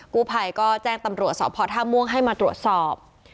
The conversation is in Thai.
กู้ภัยก็แจ้งตำรวจสพท่าม่วงให้มาตรวจสอบ